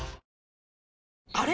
あれ？